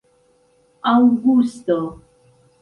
aŭgusto